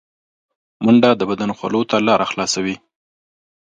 منډه د بدن خولو ته لاره خلاصوي